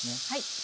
はい。